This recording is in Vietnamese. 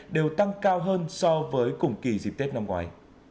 đều tăng cao hơn so với cùng kỳ dịp tết năm ngoái